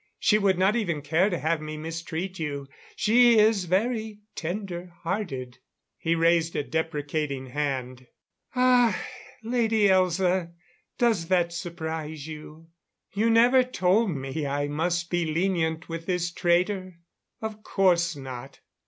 She would not even care to have me mistreat you. She is very tender hearted." He raised a deprecating hand. "Ah, Lady Elza, does that surprise you? You never told me I must be lenient with this traitor? Of course not."